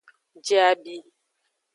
Je abi.